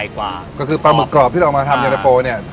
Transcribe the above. ก็คือปลาหมึกกรอบที่เรามาทำเยอร์นาโกะเนี่ย